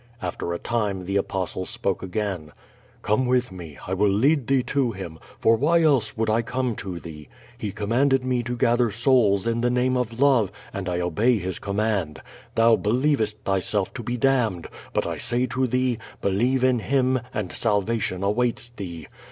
After a time the Apostle spoke again: "Come with me, I will lead thee to Him, for whi else would I come to thee? He commanded me to gather souls in tlie name of love, and I obey His command. Thou believest thy self to be damned, but I say to thee: ^Believe in Him and salvation awaits thee."